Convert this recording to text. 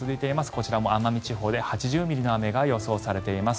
こちらも奄美地方で８０ミリの雨が予想されています。